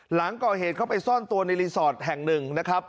หลังก่อเหตุเข้าไปซ่อนตัวในรีสอร์ทแห่งหนึ่งนะครับ